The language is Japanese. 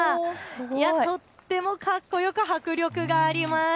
とってもかっこよく迫力があります。